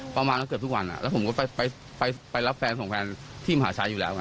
ประมาณนั้นเกือบทุกวันน้ะผมก็ไปรับแฟนส่งแฟนที่มาใช้อยู่แล้วค่ะ